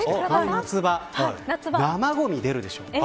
夏場、生ごみ出るでしょう。